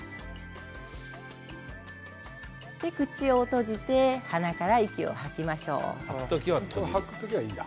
口を閉じて鼻から息を吐きましょう。